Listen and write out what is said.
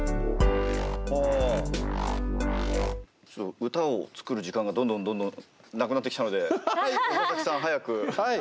ちょっと歌を作る時間がどんどんどんどんなくなってきたのではい！